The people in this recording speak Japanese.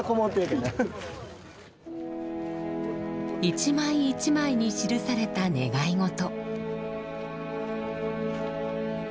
一枚一枚に記された願い事。